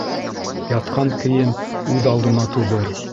Ятҡан кейем үҙ алдына туҙыр.